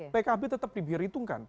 pkb tetap diberhitungkan